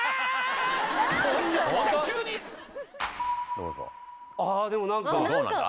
どうぞああでも何かどうなんだ？